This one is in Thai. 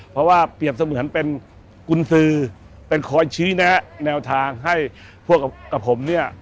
เพราะว่าเปรียบเสมือนเป็นกุญสือเป็นคอยชี้แนะแนวทางให้พวกกับผมเนี่ย